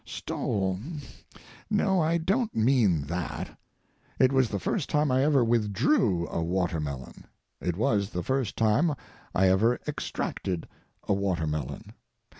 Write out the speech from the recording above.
Stole? No, I don't mean that. It was the first time I ever withdrew a watermelon. It was the first time I ever extracted a watermelon.